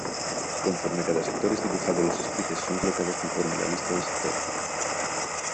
Conforme cada sector es dibujado los sprites son colocados conforme la lista del sector.